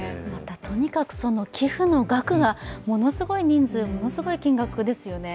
とにかく寄付の額がものすごい人数ものすごい金額ですよね。